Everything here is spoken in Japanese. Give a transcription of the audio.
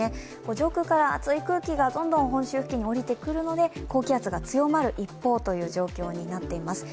上空から熱い空気がどんどん本州付近におりてくるので高気圧が強まる一方という状況になっています